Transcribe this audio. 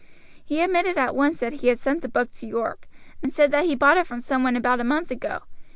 He admitted at once that he had sent the book to York, and said that he bought it from some one about a month ago.